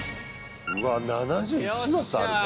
うわ７１マスあるぞ。